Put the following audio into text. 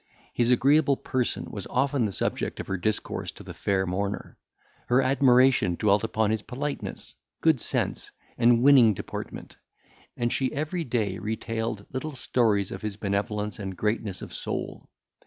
His agreeable person was often the subject of her discourse to the fair mourner. Her admiration dwelt upon his politeness, good sense, and winning deportment; and she every day retailed little stories of his benevolence and greatness of soul.